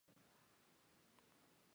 她是与长兄威廉二世一起成长的。